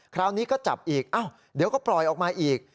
คราวนี้ก็จับอีกอ้าวเดี๋ยวก็ปล่อยออกมาอีก